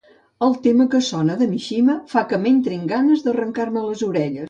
El tema que sona de Mishima fa que m'entrin ganes d'arrencar-me les orelles.